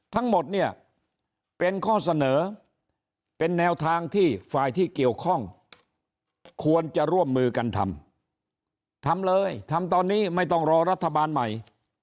ทั้งหมดเนี่ยเป็นข้อเสนอเป็นแนวทางที่ฝ่ายที่เกี่ยวข้องควรจะร่วมมือกันทำทำเลยทำตอนนี้ไม่ต้องรอรัฐบาลใหม่